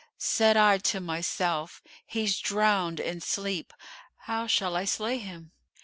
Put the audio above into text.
Said I to myself, 'He's drowned in sleep: how shall I slay him?